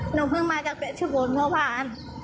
หนูเพิ่งมาจากเพชรชบูรณ์เมื่อวาน